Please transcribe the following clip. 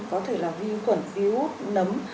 có thể là vi khuẩn ví út nấm